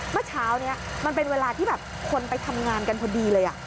เมื่อเช้านี้มันเป็นเวลาที่แบบคนไปทำงานกันพอดีเลย